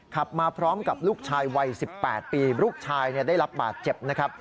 ขับมาพร้อมกับลูกชายวัย๑๘ปีลูกชายได้รับบาดเจ็บนะครับ